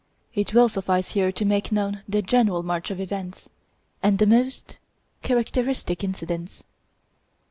It will suffice here to make known the general march of events and the most characteristic incidents.